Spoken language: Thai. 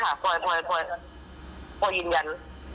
ใช่ค่ะพลอยพลอยยืนยัน